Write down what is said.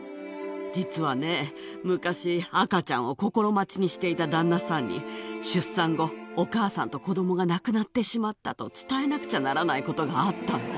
実はね、昔、赤ちゃんを心待ちにしていた旦那さんに出産後、お母さんと子どもが亡くなってしまったと伝えなくちゃならないことがあったの。